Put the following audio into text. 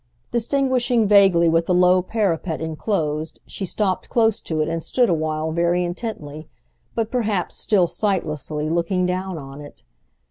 Distinguishing vaguely what the low parapet enclosed she stopped close to it and stood a while very intently, but perhaps still sightlessly, looking down on it.